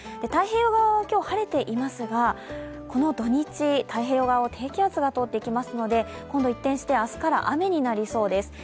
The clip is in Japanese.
太平洋側は今日晴れていますがこの土日、太平洋側を低気圧が通っていきますので今度一変して明日から雨になるようです。